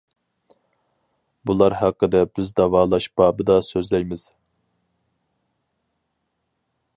بۇلار ھەققىدە بىز داۋالاش بابىدا سۆزلەيمىز.